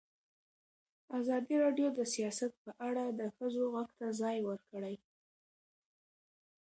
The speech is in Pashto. ازادي راډیو د سیاست په اړه د ښځو غږ ته ځای ورکړی.